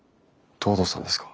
藤堂さんですか？